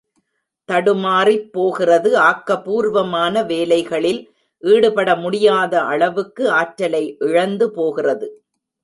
தடுமாறிப் போகிறது ஆக்கபூர்வமான வேலைகளில் ஈடுபட முடியாத அளவுக்கு ஆற்றலை இழந்து போகிறது.